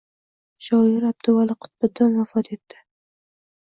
Shoir Abduvali Qutbiddin vafot etdi